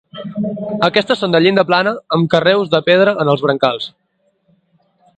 Aquestes són de llinda plana amb carreus de pedra en els brancals.